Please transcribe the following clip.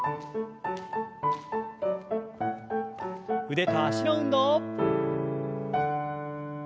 腕と脚の運動。